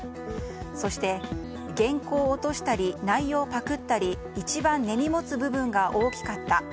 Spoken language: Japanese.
そして、原稿落としたり内容パクったり一番根に持つ部分が大きかった。